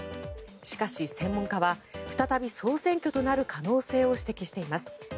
しかし、専門家は再び総選挙となる可能性を指摘しています。